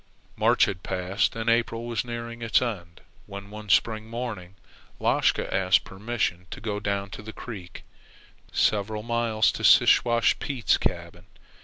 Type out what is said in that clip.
March had passed and April was nearing its end, when, one spring morning, Lashka asked permission to go down the creek several miles to Siwash Pete's cabin.